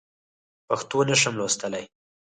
پښتو نه شم لوستلی.